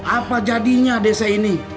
apa jadinya desa ini